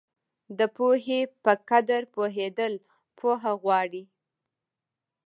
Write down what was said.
د پوهې په قدر پوهېدل پوهه غواړي.